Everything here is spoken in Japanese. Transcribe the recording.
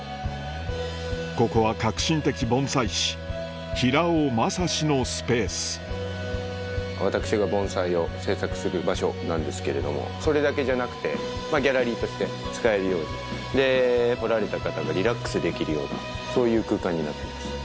ここは革新的盆栽師平尾成志のスペース私が盆栽を制作する場所なんですけれどもそれだけじゃなくてギャラリーとして使えるように来られた方がリラックスできるようなそういう空間になっています。